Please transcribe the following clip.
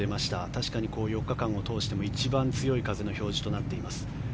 確かに４日間を通しても一番強い風の表示となっています。